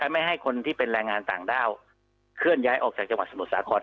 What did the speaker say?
ไม่ให้คนที่เป็นแรงงานต่างด้าวเคลื่อนย้ายออกจากจังหวัดสมุทรสาคร